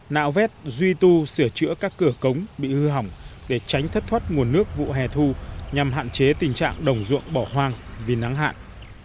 nạo vét duy tu sửa chữa các cửa cống bị hư hỏng để tránh thất thoát nguồn nước vụ hè thu nhằm hạn chế tình trạng đồng ruộng bỏ hoang vì nắng hạn